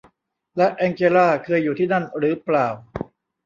และแองเจลลาเคยอยู่ที่นั่นหรือเปล่า